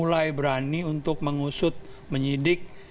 mulai berani untuk mengusut menyidik